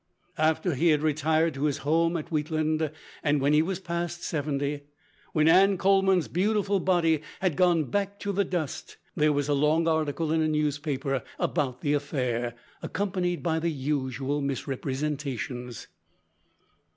After he had retired to his home at Wheatland, and when he was past seventy when Anne Coleman's beautiful body had gone back to the dust, there was a long article in a newspaper about the affair, accompanied by the usual misrepresentations.